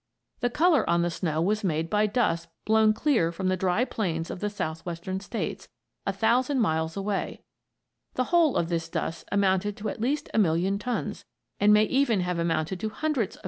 The color on the snow was made by dust blown clear from the dry plains of the Southwestern States, a thousand miles away. The whole of this dust amounted to at least a million tons; and may even have amounted to hundreds of millions of tons, so the professors think.